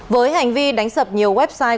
với hành vi đánh sập nhiều website